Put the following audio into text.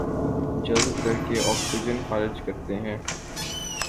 جذب کرکے آکسیجن خارج کرتے ہیں